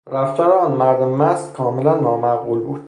رفتار آن مرد مست کاملا نامعقول بود.